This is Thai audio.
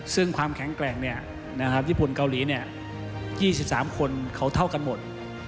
ซึ่งความแข็งแกร่งญี่ปุ่นเกาหลี๒๓คนเขาเท่ากันหมด